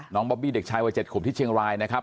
บอบบี้เด็กชายวัย๗ขวบที่เชียงรายนะครับ